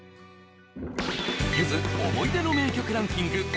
ゆず思い出の名曲ランキング